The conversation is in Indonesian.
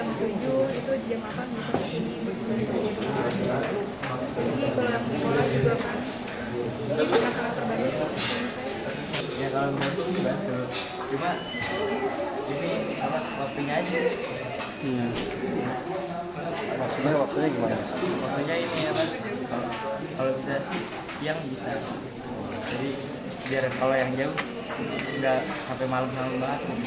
waktunya ini ya kalau bisa siang bisa jadi biarkan kalau yang jauh tidak sampai malam malam